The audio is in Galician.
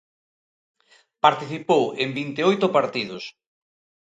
Participou en vinte e oito partidos.